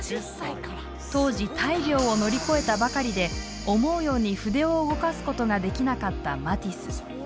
当時大病を乗り越えたばかりで思うように筆を動かすことができなかったマティス。